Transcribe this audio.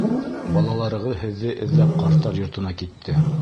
Балаларығыҙ һеҙҙе эҙләп ҡарттар йортона китте!